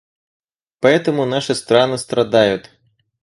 Поэтому наши страны страдают.